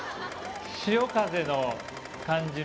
潮風の感じの。